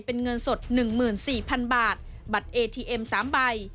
เป็นเงินสดหนึ่งหมื่นสี่พันบาทบัตรเอทีเอ็มสามใบ